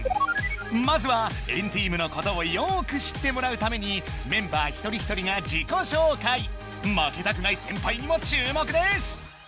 まずは＆ＴＥＡＭのことをよく知ってもらうためにメンバー１人１人が自己紹介負けたくない先輩にも注目です